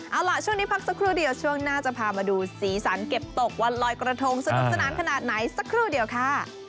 เอาล่ะช่วงนี้พักสักครู่เดียวช่วงหน้าจะพามาดูสีสันเก็บตกวันลอยกระทงสนุกสนานขนาดไหนสักครู่เดียวค่ะ